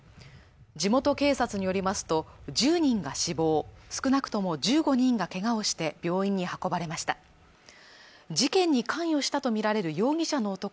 地元警察によりますと１０人が死亡少なくとも１５人がけがをして病院に運ばれました事件に関与したとみられる容疑者の男